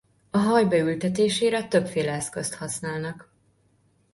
A haj beültetésére többféle eszközt használnak.